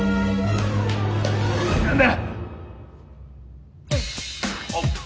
何だ？